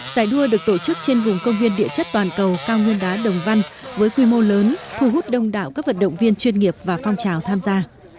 giải đua được tổ chức trên vùng công viên địa chất toàn cầu cao nguyên đá đồng văn với quy mô lớn thu hút đông đảo các vận động viên chuyên nghiệp và phong trào tham gia